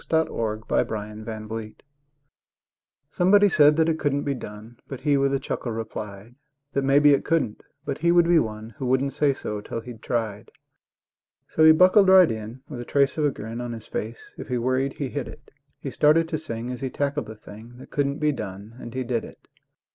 37 It Couldn't Be Done Somebody said that it couldn't be done, But he with a chuckle replied That "maybe it couldn't," but he would be one Who wouldn't say so till he'd tried. So he buckled right in with the trace of a grin On his face. If he worried he hid it. He started to sing as he tackled the thing That couldn't be done, and he did it.